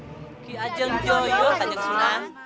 ajaran yang sesat kanjang sunan